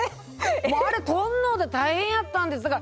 あれ取んので大変やったんですが。